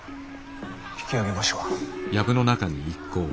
引き揚げましょう。